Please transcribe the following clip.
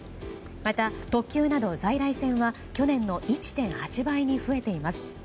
また、特急など在来線は去年の１．８倍に増えています。